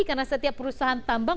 karena setiap perusahaan tambang